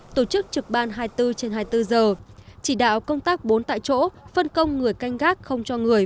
tổ chức trực ban hai mươi bốn trên hai mươi bốn giờ chỉ đạo công tác bốn tại chỗ phân công người canh gác không cho người